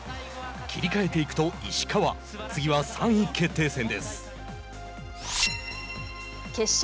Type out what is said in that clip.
切り替えていくと石川次は３位決定戦です。